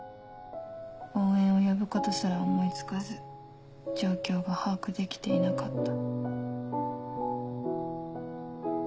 応援を呼ぶことすら思い付かず状況が把握できていなかった」。